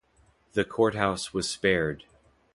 The courthouse was spared.